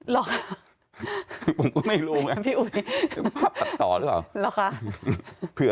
หรอกค่ะพี่อุ๋ยผมก็ไม่รู้ไงภาพตัดต่อหรือเปล่า